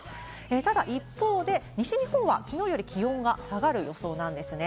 ただ一方で、西日本は昨日より気温が下がる予想なんですね。